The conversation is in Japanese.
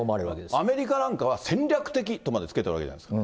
アメリカなんかは戦略的とまでつけているわけじゃないですか。